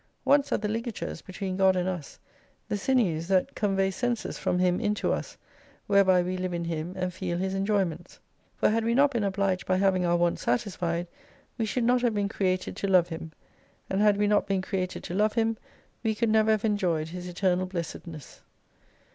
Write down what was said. Wants are the ligatures between God and us, the sinews that convey Senses from him into us, whereby we live in Him, and feel His enjoyments. For had we not been obliged by having our wants satisfied, we should not have been created to love Him. And had we not been created to love Him, we could never have enjoyed His eternal Blessedness.